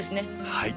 はい